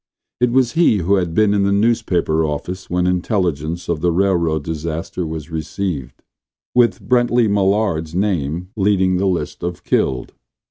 It was he who had been in the newspaper office when intelligence of the railroad disaster was received, with Brently Mallard's name leading the list of "killed."